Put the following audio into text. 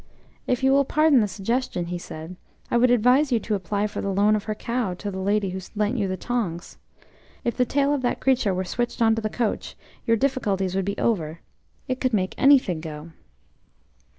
"If you will pardon the suggestion," he said, "I would advise you to apply for the loan of her cow to the lady who lent you the tongs. If the tail of that creature were switched on to the coach, your difficulties would be over. It could make anything go!"